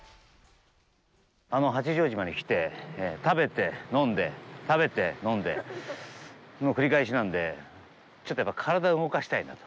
八丈島に来て、食べて、飲んで、食べて、飲んでの繰り返しなので、ちょっとやっぱり体を動かしたいなと。